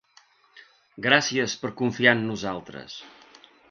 Gràcies per confiar en nosaltres.